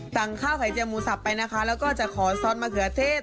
สั่งข้าวไข่เจียวหมูสับไปนะคะแล้วก็จะขอซอสมะเขือเทศ